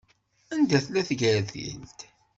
Anda tella tgertilt?